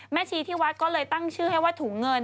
ชีที่วัดก็เลยตั้งชื่อให้ว่าถุงเงิน